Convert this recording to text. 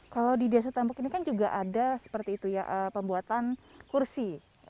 kalau di desa tembok ini kan juga ada seperti itu ya pembuatan kursi